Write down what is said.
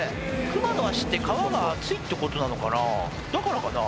クマの足って皮が厚いってことなのかなだからかな